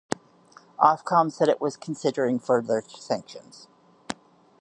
Ofcom said it was considering further sanctions.